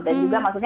dan juga maksudnya